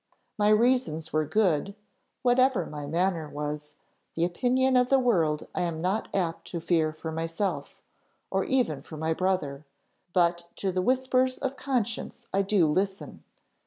My reasons were good, whatever my manner was; the opinion of the world I am not apt to fear for myself, or even for my brother, but to the whispers of conscience I do listen.